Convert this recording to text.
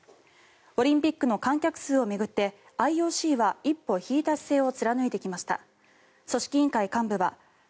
オリンピックの観客数を巡ってＩＯＣは一歩引いた姿勢を貫いてきました。